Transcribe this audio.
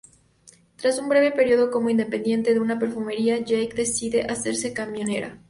Tras un breve periodo como dependiente de una perfumería, Jackie decide hacerse camionera.